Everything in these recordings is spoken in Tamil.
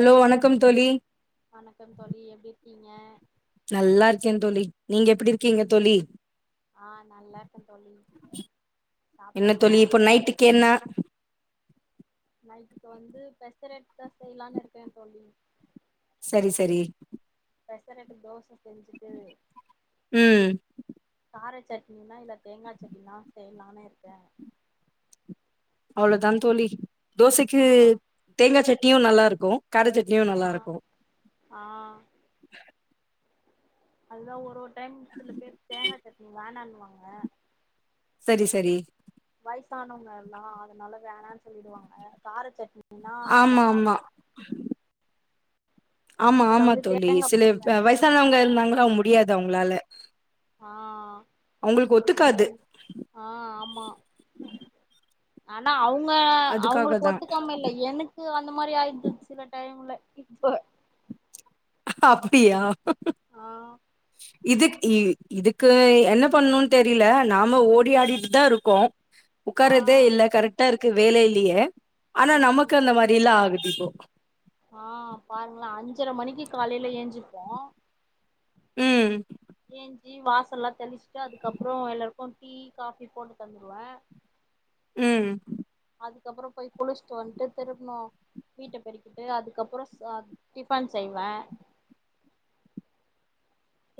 ஆலோ வணக்கம் தோழி வணக்கம் தோழி எப்டிருக்கீங்க நல்லா இருக்கேந் தோழி நீங்க எப்டிருக்கீங்க தோழி ஆஹ் நல்லா இருக்கேந் தோழி என்ன சாப்ட்டாச்சா தோழி இப்போ நைட்டுக்கு என்ன நைட்டுக்கு வந்து பெசரேட் தா செய்லானு இருக்கே தோழி சரி சரி பெசரெட்டு தோச செஞ்சுட்டு ம் கார சட்னினா இல்ல தேங்கா சட்னினா செய்லானு இருக்கே அவ்ளதாந் தோழி தோசைக்கு ஆ தேங்கா சட் னியு நல்லாருக்கு கார சட்னியு ஆ நல்லாருக்கு ஆ அதுதா ஒரு ஒர் டைம் சில பேர் தேங்கா சட்னி வேணா வாங்க சரி சரி வயசானவங்க எல்லா அதனால வேணான் சொல்லிடுவாங்க கார சட் னினா நல்லா ஆமா ஆமா சாப்பு ஆமா ஆமா தோழி சில அ வேணா சொல்லுங்க வயசானவங்க இருந்தாங்களா முடியாது அவங்களால ஆஹ் அவங்களுக்கு இந்த ஒத்துக்காது ஆஹ் ஆமா ஆனா அவங்க அவங்க அதுக்காக அவங்களுக்கு தா ஒத்துக்காம இல்ல எனக்கு அந்த மாதிரி ஆயிடுது சில டைம்ல இப்ப அப்டிபியா ஆஹ் இதுக்கு இதுக்கு என்ன பண்ணணும்னு தெரியல நாம ஓடி ஆடிட்டு தான் இருக்கோ ஆ ஒட்கறதே இல்ல கரெக்டா இருக்கு வேலை இல்லையே ஆனா நமக்கு அந்த மாதிரில்லா ஆகுது [unintelligible] ஆஹ் பாருங்களாம் அஞ்சரை மணிக்கு காலையில ஏஞ்சிப்போம் உம் ஏஞ்சி வாசல்லாம் தெளிச்சுட்டு அதுக்கப்புறம் எல்லாருக்கு டீ காபி போட்டு தந்துடுவேன் உம் அதுக்கப்புற போய் குளிச்சுட்டு வந்துட்டு திரும்பவு வீட்டை பெருக்கிட்டு அதுக்கப்புற டிஃபன் செய்வேன்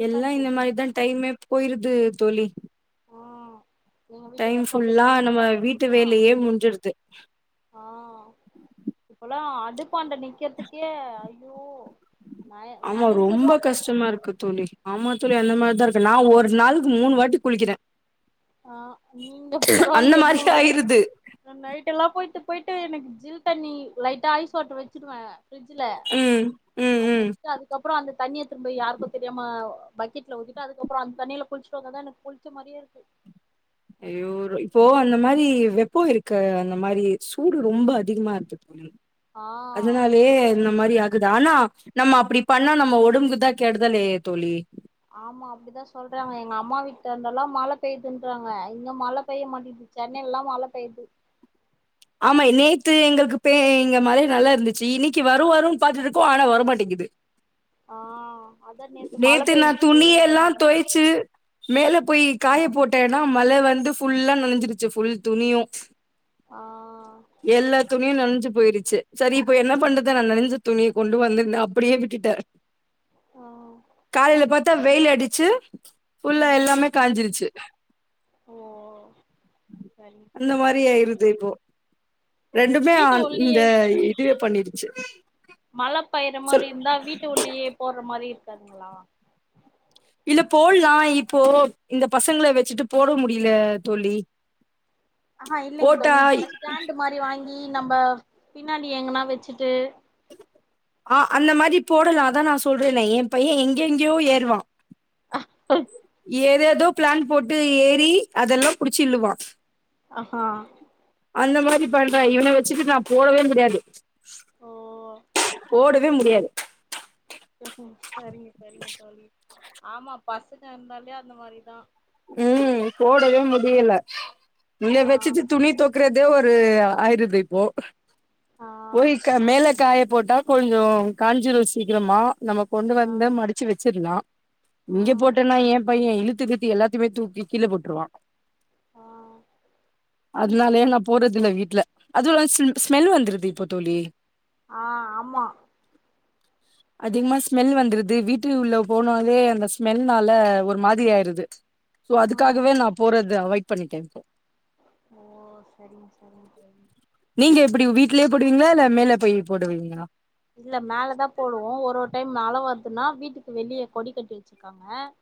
எல்லா இந்த மாதிரிதான் டைமே போயிருது இது தோழி ம் எங்க டைம் வீட்டுக்காருக்கு அப்டியே ஃபுல்லா லன்ச் நம்ம பேக் வீட்டு ஆ வேலையே முடிஞ்சடுது அடுப்பாண்டநிக்குறதுக்கே ஐயோ நய ஆமா நனஞ்சிர்றோ ரொம்ப கஷ்டமா இருக்கு தோழி ஆமா தோழி அந்த மாதிரிதான் இருக்கு நான் ஒரு நாளைளுக்கு மூணு வாட்டி குளிக்கிறேன் ஆஹ் நீங்க அந்த பரவாயில்லையே மாரி மூணு வாட்டி ஆயிருது நைட்டு் எல்லாம் போயிட்டு போயிட்டு எனக்கு ஜில் தண்ணி லைட்டா ஐஸ் வாட்டரு வச்சுடுவேன் பிர்ஜல ம் ம் அது ம் வச்சுட்டு அதுக்கப்புறம் அந்த தண்ணியை திரும்பி யாருக்கும் தெரியாம பக்கெட்ல ஊத்திட்டுட அதுக்கப்புறம் அந்த தண்ணியில குளிச்சுட்டுவந்த தான் எனக்கு குளிச்ச மாதிரியே இருக்கு ஐயோ இப்போ அந்த மாதிரி வெப்பம் இருக்க அந்த மாதிரி சூடு ரொம்ப அதிகமா இருக்கு தோழி ஆ அதனாலயே இந்த மாதிரி க்குதானா நம்ம அப்படி பண்ணா நம்ம உடம்புக்குதான் கெடுதலே தோழி ஆமா அப்படிதான் சொல்றாங்க எங்க அம்மா வீட்டு இருந்தல்லாம் மழை பெய்யுதுன்றாங்க இங்க மழை பெய்ய மாட்டேது சென்னை யெல்லாம் மழை பெயுது ஆமா நேத்து எங்களுக்கு பே எங்க மலை நல்லா இருந்துச்சு இன்னைக்கு வரும் வரும்ன்னனு பாாரத்துட்டு இருக்கோம் ஆனா வரமாட்டேங்குது ஆஹ் நேத்து நான் துணிய எல்லா துவச்சு மேல போய் காய போட்டேன்னா மழை வந்து ஃபுல்லா நெனஞ்சுடுச்சு ஃபுல் துணியு ஆ எல்லாத்து துணியே நனைஞ்சு போயிருச்சு சரி இப்ப என்ன பண்றத நான் நனைஞ்ச துணிய கொண்டு வந்துருந்தே அப்படியே விட்டுட்ட ஆ காலேல பத் த வெயில் அடிச்சு ஃபுல்லா ம் எல்லாமே காஞ்சிருச்சு ஓ சரிங்க அந்த சரிங்க மாரி தோழி ஆயிருதேபோ ரெண்டுமே வீட்டு அந் இந்த இதுவே பண்ணிருக் [unintelligible] மழப் பயிற மாரி இருந்தா வீட்டு உள்ளியே போட்ற மாரி தங்களா இல்லப் போட்லா இப்போ இந்த பசங்ள வெச்சிட்டு போட முடியிலே தோழி ஆஹா இல்லிங் தோழி போட்டா இப்ப ஸ்டாண்ட் மாரி வாங்கி நம்ப பின்னாடி எங்குனா வெச்சிட்டு ஆஹ் அந்த மாரி போடலா அதா நா சொல்றேனே என்ப்பயெ எங்கெங்கியோ ஏறுவா ஏதேதோ பிளான் போட்டு ஏறி அதெல்லா புடிச்சி இள்ளுவா அஹா அந்த மாரி பண்றா இவன வெச்சிகிட் நா போடவே முடியாது ஓ போடு வே முடியாது சரிங்க சரிங்க தோழி ஆமா பசுங்க இருந்தாலே அந்த மாரிதா உம் போடவே முடியல ஆ இவன வெச்சிட்டு துணிய தோக்கறத் தே ஒரு ஆயிருது இப்போ ஆ போய்க்கா மேல காயப் போட்டா கொஞ்சோ காஞ்சிரு சீக்கிரமா நமக் கொண்டு ஆ வந்த மடிச்சு வெச்சிர்லா இங்கெப் ம் போட்டேன்னா ஏ பைய்ய இழுத் திருப்பி எல்லாத் துமே தூக்கி கீழ போட்ருவா ஆஹ் அதுனால நா போட்றதில்ல வீட்ல அதுல ஸ்ம் ஸ்மெல் வந்துர்து இப்போ தோழி ஆஹ் ஆமா அதிகமா ஸ்மெல் வந்துர்து வீட்டு உள்ள போனாலே அந்த ஸ்மெல்னால ஒரு மாதிரியாயிருது சோ ம் அதுக்காகவே நா போறது அவாயிட் பண்ணிட்டே ப்பொ ஓ செரிங் செரிங் செரிங் இப்பிடி வீட்டுலயே போடுவீங்ளா இல மேலே போய் போடுவிங்ளா இல்ல ன்னா வீட்டுக்கு வெளியே கொடி கட்டி வெச்சிருக்காங்க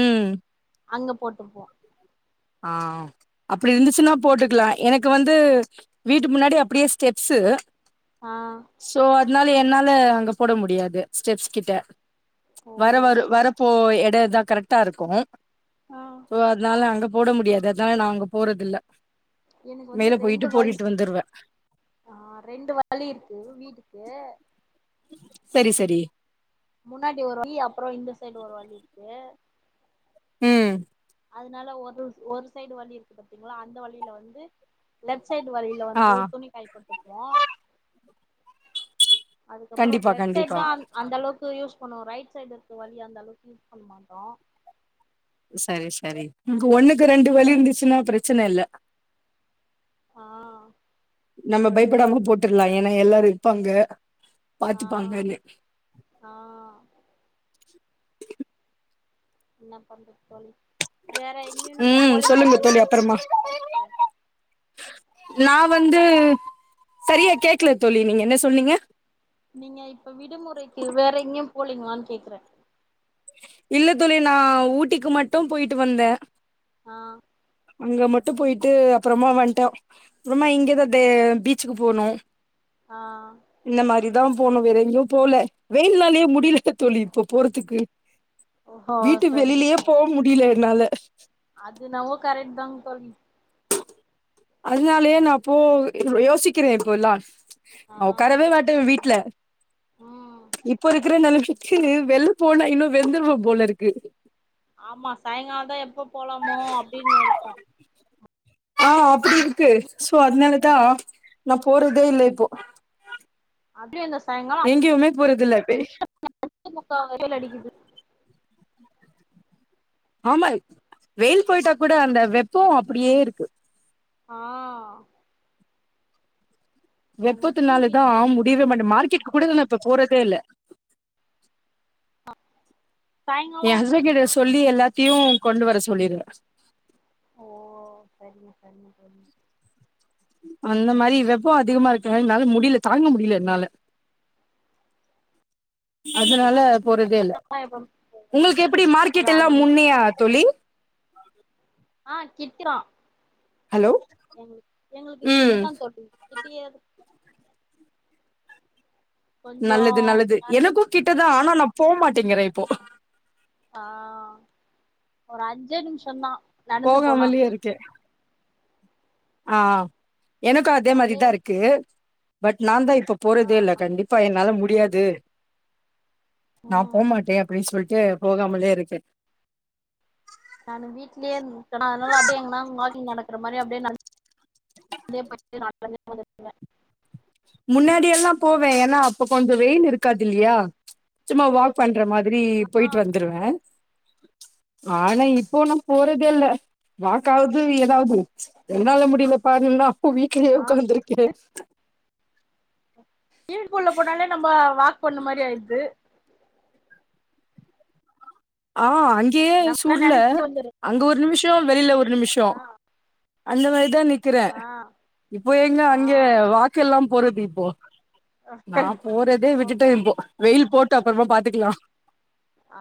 உம் அங்க போட்டுப்போ ஆஹ் அப்பிடி இருந்துச்சின்னா போட்டுக்கிலா எனக்கு வந்தூ வீட்டு முன்னாடி அப்பிடியே ஸ்டெப்சு ஆ சோ அத்னால ன்னாலே அங்கப் போட முடியாது ஸ்டெப்ஸ் கிட்ட ஓ வர வரு வரப்போ எ டே தா கரக்டாயிருக்கு சோ அதனால அங்க போட முடியாது அதனால நா அங்க போட்றது இல்ல எனக்கு வந்து ரெண்டு வல் ஆஹ் ரெண்டு வழி இருக்கு வீட்டுக்கு செரி செரி முன்னாடி ஒரு வழி அப்புறம் இந்த சைடு ஒரு வழி இருக்கு ம் அதனால ஒரு ஒரு சைடு வழி இருக்கு பாத்தீங்களா அந்த வழியில வந்து லெப்ட் சைடு வழியில ஆ வந்து துணி கயப்போட்ருப்போ அதுக்கப்புறோ கண்டிப்பா லெப்ட் சைட் கண்டிப்பா தா அந்த அளவுக்கு யூஸ் னுவோ ரைட் சைடு இருக்கு வழி அந்த அளவுக்கு யூஸ் பண்ண மாட்டோ சரி சரி உனக்கு ஒண்ணுக்கு ரெண்டு வழி இருந்துச்சுன்னா பிரச்சன இல்ல ஆஹ் நம்ம பயப்படாம போட்டுறலாம் ஏன்னா எல்லாரும் இருப்பாங்க ஆ பாத்துப்பாங்கனு [inaudible] ஆ என்ன பண்ற தோழி வேற எங்கயும் நீங்க ம் போளீங்களா சொல்லுங்க தோழி அப்பறமா நா வந்து செரியா கேக்கல தோழி நீங்க என்ன சொன்னீங்க நீங்க இப்ப விடுமுறைக்கு வேற எங்கயு போளீங்களா கேக்குறே இல்ல தோழி நா ஊட்டிக்கு மட்டு போயிட்டு வந்த ஆஹ் அங்க மட்டு போயிட்டு அப்புறமா வந்டோம் அப்புறமா இங்கதா பீச்சுக்கு போனோ ஆஹ் தா போணு வேற எங்கயு போல வெயில்னாலயே முடியல தோழி இப்ப போறதுக்கு ஓஹோ வீட்டு சரிங்க வெளியிலயே சார் போ முடில னால அது நாவோ கரக்ட் தாங்க தோழி அதனாலயே நா போ யோசிக்கிறே இப்போல்லா ஆ நா ஒக்காரவே மாட்டே வீட்ல ம் இப்ப இருக்குற இந்த நிமிஷத் க்கு வெள்ள போனா இன்னு வெந்துருவ போலருக்கு ஆமா சாய்ங்கால தா எப்ப போலமோ அப்டினு இருக்கு ஆ அப்டி மதி இருக்கு சோ அதனால தா நா போறதே இல்ல இப்போ அப்டியே அந்த எங்கெயுமே போறதில்ல இப்பே ஆமாக்கா அனல் அடிக்குது ஆமா வெயில் பொயிட்டா கூட அந்த வெப்போ அப்டியே இருக்கு ஆ நாங்க கீழ் வெப்பத்துனாலதா வீட்ல ஆ தா இருக்கோ முடியவே மாட்டே மார்க்கெட்க்கு கூட இதலா இப்ப போற பேல அ சாய்ங்கால ஹஸ்பண்ட் கிட்ட சொல்லி எல்லாத்தையு கொண்டு வர சொல்லிருவ ஓ சரிங்க சரிங்க சரிங்க அந்த மாரி வெப்ப அதிகமா இருக்கனா என்னால முடில தாங்க முடில என்னால அதனால நானு போறதே இல்ல எப்ப போவே உங்களுக்கு எப்படி ஒரு மார்க்கெட் ஆறு எல்லா மணிக்கு முன்னையா தோழி ஆ கிட்தா ஹலோ எ எங்களுக்கு ம் கிட்டதா தோழி கிட்டயே கொஞ்சோ நல்லது நல்லது நடந்து எனக்கு கிட்டதா ஆனா நா போமாட்டிங்கறே இப்போ ஆ ஒரு அஞ்சே நிமிஷந்தா நடந்து போனா போகாமலயே இருக்கே ஆ எனக்கு அதே அப்டியே மாரிதா இருக்கு பட் நாந்தா இப்ப ஆ போறதே இல்ல கண்டிப்பா என்னால மு டியாது நா ம் போமாட்டே அப்டின்னு சொல் க்கு போகாமலே இருக்கேன் நானு வீட்லயே இருக்க அதனால அப்டியே எங்கன்னா வாக்கிங் நடக்கிற மாரி அப்படியே நடந்தே [unintelligible] முன்னாடியெல்லாம் போவேன் ஏன்னா அப்ப கொஞ்சோ வெயில் இருக்காது இல்லியா சும்மா வாக் பண்ற மாதிரி போயிட்டு வந்துருவேன் ஆனா இப் போணும் போறதே இல்ல வாக்காவது எதாவது என்னால முடியல பாருன்ன அப்போ வீட்டுலயே உட்காந்துருக்கேன் வீட்டுக்குள்ள போனாலே நம்ம வா போன மாதிரி ஆயிருது ஆ அங்கேயே நம்மளா ஸ்கூல்ல நெனச்சிட்டு வந்துறோ அங்க ஒரு நிமிஷம் வெளியில ஒரு ஆ நிமிஷம் அந்த மாதிரி தான் நி நிக்கிறேன் ஆ இப்ப எங்கே ஆ அங்கே வாக்கெல்லாம் போறதிப்போ நான் போறதே போ விட்டுட்டேன் முடியாது இப்போ வெயில் போட் விடடா அப்பறமா பாத்துக்கலாம் ஆ,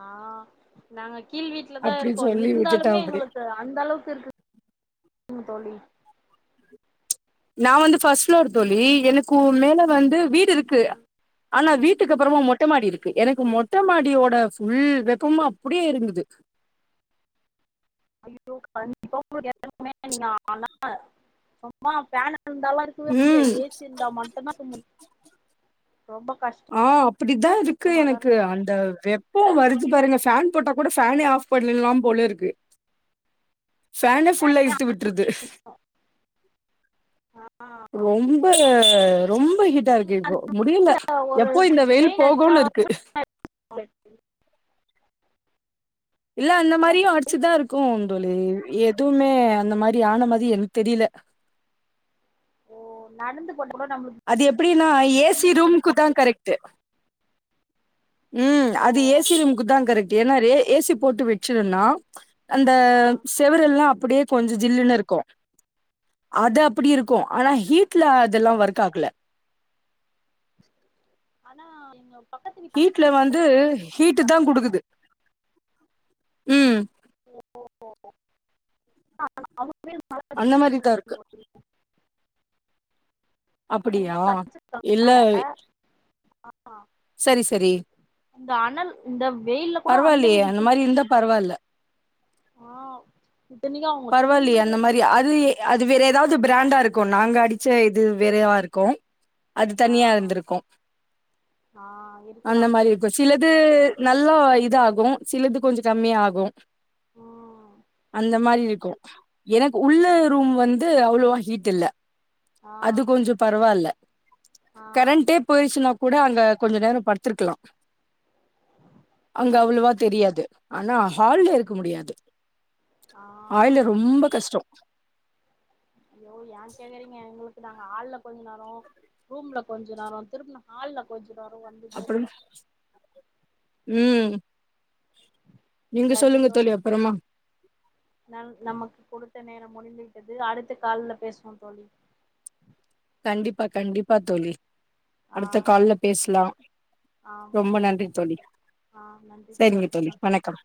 நாங்க கீழ் வீட்லதா அப்டின்னு இருக்கோ சொல்லி விட்டுட்டே இருந்தாலுமே அப்டி எங்களுக்கு அந்த அளவுக்கு இருக்குங் தோழி நா வந்து ஃபஸ்ட் ஃப்ளோர் தோழி எனக்கு மேல வந்து வீ டு இருக்கு ஆனா வீ டுக்கு அப்பறமா மொட்ட மாடி இருக்கு எனக்கு மொட்ட மாடியோட ஃபுல் வெப்பமு அப்டியே எறங்குது ஐயோ கண்டிப்பா உங்களுக்கு ஏறங்குமே நீங்க ஆனா சும்மா ஃபேன இருந்தாலா இருக்கவே முடியாது ம் ஏசி இருந்தா மட்டும்தா இருக்க முடியு ரொம்ப ஆ, அப்படித்தா இருக்கு கஷ்டமாதா எனக்கு இருக்கு அந்த வெப்போ வரு து பாருங்க ஃபேன் போட்டாக்கூட ஃபேனே ஆஃப் பண்ணிட்லா போல இருக்கு ஃபேனே ஃபுல்லா இழுத்து விட்ருது ரொம்ப ரொம்ப ஹீட்டா இருக்கு இப்போ அந்த முடியல ஒரு எப்போ இந்த வெயில் பெயின் அடிச்சா போகுனு இருக்கு இல்ல அந்த ஏன் மாரியு தம்பி அடிச்சுதா இருக்கோ தோழி எதுவுமே அந்த மாரி ஆன மாரி எனக்கு தெரில ஓ நடந்து கூட நம்மளுக்கு அது எப்படினா ஏசி சில்லுனு ரூம்க்குதா கரெக்ட்டு உம் ஓ அது ஏசி ரூம்குதான் கரெக்ட்டு ஏன்னா ரெ ஏசி போட்டு வெச்சிருன்னா அந்த ஆ செவுரெல்லாம் அப்படியே கொஞ்ச ஜில்லுனு இருக்கும் அது அப் அப்படி இருக்கும் ஆனா ஹீட்ல அதெல்லாம் ஒர்க் ஒர்க்காகல ஆனா எங்க [inaudible] வீட்ல அடிச்சு வந்து ஹீட்டு தா குடுக்குது ம் ஓ ஓ ஓஆ அவுங் அந்த மாரி தா இருக்கு அப்டியா இல்ல ஆமா செரி செரி இந்த அனல் இந்த வெயில்ல கூட அந்த பரவாயில்லயே வீடு மாரி சில்லுனு இருந்தா பரவால்ல [inaudible] ஆஹ் இத்தனிக்கோ அவுங்க கீழ் பரவாயில்லையே வீடு அந்த மாரி அது அது வேற ஏதாவது பிராண்டா இருக்கு நாங்க அடிச்ச இது வேறாவா இருக்கோ அது தனியா இருந்திருக்கோ ஆஹ் இருக்கலா அல்லது நல்லா இதாகோ சிலது கொஞ்சொ ம் கம்மியாகோ ம் அந்த மாரி கோ எனக்கு உள்ள ரூம் வந்து அவ்ளோவா ஹீட் இல்ல ஆ அது கொஞ்சொ பரவால்ல ஆ கரண்டே போயிருச்சுனா கூட கொஞ்சொ நேரொ படுத்திருக்கலா அங்க அவ்ளவா தெரியாது ஆனா ஹால்ல இருக்க முடியாது ஆ ஹால்ல ரொம்ப கஷ்டோ நா ஹால்ல கொஞ்சோ நேரொ ரூம்ல கொஞ்சோ நேரொ திரும்ப ஹால்ல கொஞ்சம் அப்புறம் உம் நீங்க சொல்லுங்க தோழி அப்புறமா ந நமக்கு கொடுத்த நேரம் முடிந்துவிட்டது அடுத்த கால்ல பேசுவோம் தோழி கண்டிப்பா கண்டிப்பா தோழி ஆ அடுத்த கால்ல நன்றி பேசலா தோழி ஆ ரொம்ப நன்றி தோழி ஆ நன்றி சேரிங்க தோழி வணக்கம்